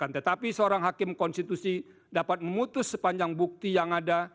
tetapi seorang hakim konstitusi dapat memutus sepanjang bukti yang ada